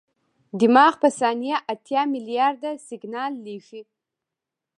دماغ په ثانیه اتیا ملیارده سیګنال لېږي.